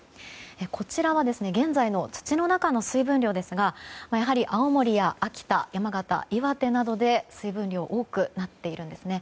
こちらは現在の土の中の水分量ですがやはり青森や秋田、山形、岩手などで水分量が多くなっているんですね。